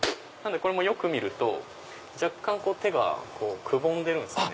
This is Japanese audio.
これもよく見ると若干手がくぼんでるんすよね。